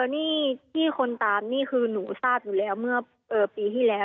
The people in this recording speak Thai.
นี่ที่คนตามนี่คือหนูทราบอยู่แล้วเมื่อปีที่แล้ว